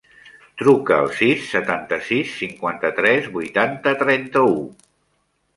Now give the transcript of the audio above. Truca al sis, setanta-sis, cinquanta-tres, vuitanta, trenta-u.